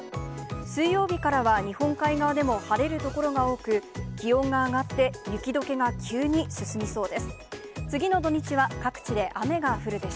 水曜日からは日本海側でも晴れる所が多く、気温が上がって、雪どけが急に進みそうです。